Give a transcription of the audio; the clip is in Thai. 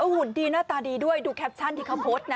หุ่นดีหน้าตาดีด้วยดูแคปชั่นที่เขาโพสต์นะ